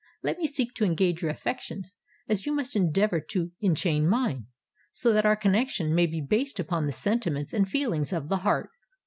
Let me seek to engage your affections, as you must endeavour to enchain mine; so that our connexion may be based upon the sentiments and feelings of the heart."